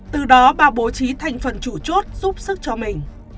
từ đó bà bố trí thành phần chủ chốt giúp sức cho mình